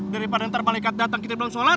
daripada ntar malikat datang kita belum sholat